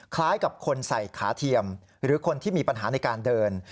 คล้ายกับคนใส่ขาเทียมหรือคนที่มีปัญหาในการเดิน